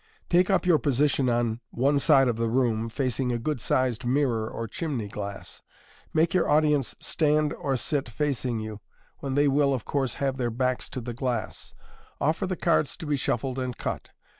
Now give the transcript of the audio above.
Take up your position on one side of the room, facing a good sized mirror or chimney glass. Make your audience stand or sit facing you, when they will, of course, have their backs to the glass. Offer the cards to be shuffled and cut.